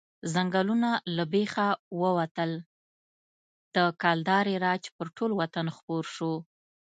ځنګلونه له بېخه ووتل، د کلدارې راج پر ټول وطن خپور شو.